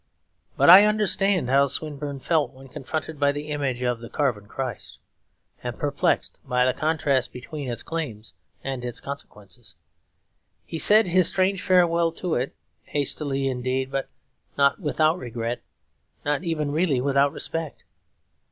But I understand how Swinburne felt when confronted by the image of the carven Christ, and, perplexed by the contrast between its claims and its consequences, he said his strange farewell to it, hastily indeed, but not without regret, not even really without respect.